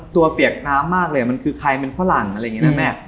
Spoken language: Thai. เปียกน้ำมากเลยมันคือใครเป็นฝรั่งอะไรอย่างนี้นะแม่